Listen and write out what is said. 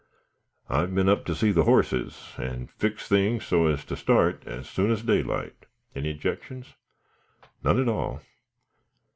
I've been up to see the horses, and fixed things so as to start as soon as daylight. Any 'jections?" "None at all."